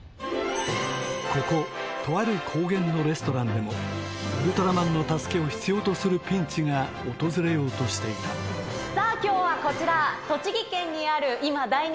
こことある高原のレストランでもウルトラマンの助けを必要とするピンチが訪れようとしていたさぁ今日はこちら。